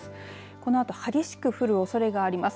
このあと激しく降るおそれがあります。